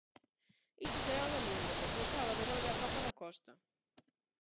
Iso será o domingo, porque o sábado volve a Copa da Costa.